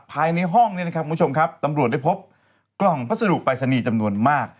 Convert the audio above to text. ภายในห้องนี้นะครับคุณผู้ชมครับตำรวจได้พบกล่องพัสดุปรายศนีย์จำนวนมาก